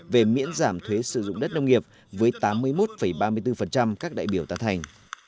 về miễn giảm thuế sử dụng đất nông nghiệp với tám mươi một ba mươi bốn các đại biểu tán thành